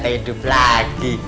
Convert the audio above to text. ternyata hidup lagi